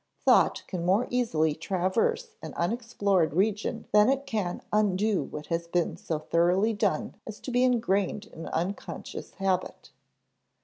Thought can more easily traverse an unexplored region than it can undo what has been so thoroughly done as to be ingrained in unconscious habit.